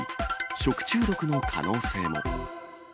食中毒の可能性も。